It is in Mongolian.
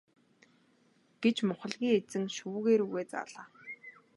гэж мухлагийн эзэн шүүгээ рүүгээ заалаа.